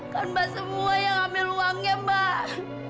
kan mbak semua yang ambil uangnya mbak